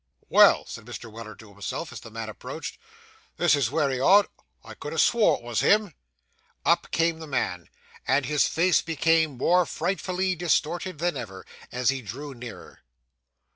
'Well!' said Mr. Weller to himself, as the man approached. 'This is wery odd. I could ha' swore it was him.' Up came the man, and his face became more frightfully distorted than ever, as he drew nearer.